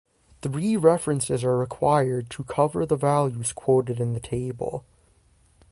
Three references are required to cover the values quoted in the table.